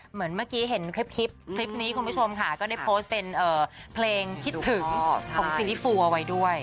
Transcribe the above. เหมือนเมื่อกี้เห็นคลิปนี้คุณผู้ชมค่ะก็ได้โพสต์เป็นเพลงคิดถึงของซีรีสฟูเอาไว้ด้วย